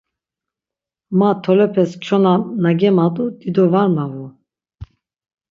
Ma tolepes kyona na gemadu dido var mavu.